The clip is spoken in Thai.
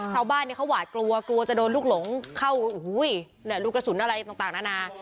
ชาวบ้านเขาหวาดกลัวกลัวจะโดนลูกหลงเข้าลูกกระสุนอะไรต่างนานา